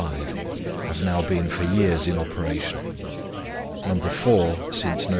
5, have now been for years in operation, No. 4 since Nov.